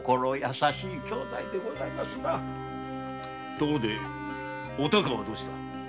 ところでお孝はどうした？